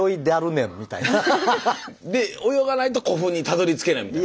で泳がないと古墳にたどりつけないみたいな。